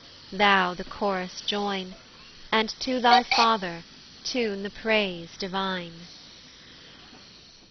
Thou the chorus join, And to thy father tune the praise divine.